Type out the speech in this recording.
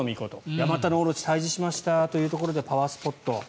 ヤマタノオロチを退治しましたというところでパワースポット。